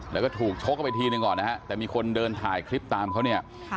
แล้วก็ถูกชกเข้าไปทีหนึ่งก่อนนะฮะแต่มีคนเดินถ่ายคลิปตามเขาเนี่ย